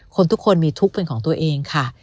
คนทุกคนมีทุกข์เป็นของตัวเองค่ะ